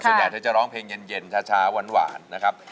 เธอจะร้องเพลงเย็นช้าหวานนะครับ